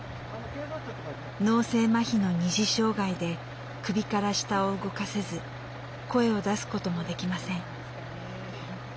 脳性まひの二次障害で首から下を動かせず声を出すこともできません。